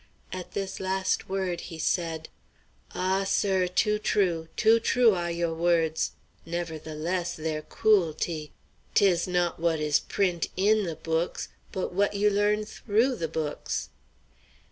At this last word he said: "Ah! sir! too true, too true ah yo' words; nevertheless, their cooelty! 'Tis not what is print' in the books, but what you learn through the books!"